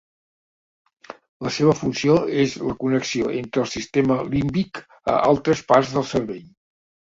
La seva funció és la connexió entre el sistema límbic a altres parts del cervell.